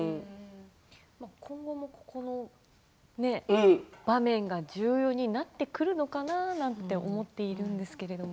今後もここの場面が重要になってくるのかなって思っているんですけど。